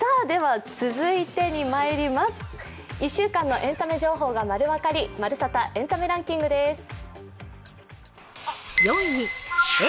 では続いて、１週間のエンタメ情報がまるわかり、「まるサタ！エンタメランキング」です。